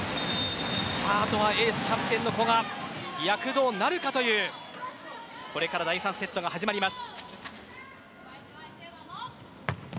あとはエース、キャプテンの古賀躍動なるかという、これから第３セットが始まります。